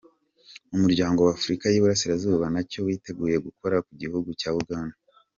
Umuryango w’Afurika y’Iburasirazuba ntacyo witeguye gukora ku gihugu cya Uganda.